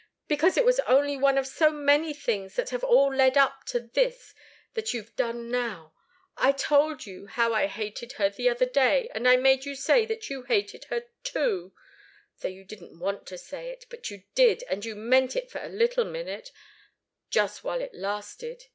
"Because it was only one of so many things that have all led up to this that you've done now. I told you how I hated her, the other day, and I made you say that you hated her, too, though you didn't want to say it. But you did, and you meant it for a little minute just while it lasted.